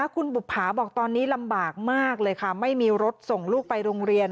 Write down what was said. คุณบุภาบอกตอนนี้ลำบากมากเลยค่ะไม่มีรถส่งลูกไปโรงเรียน